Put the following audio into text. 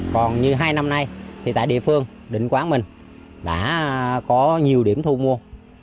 còn như hai năm nay thì tại địa phương định quán mình đã có nhiều điểm thu mua